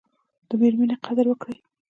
د میرمني قدر وکړئ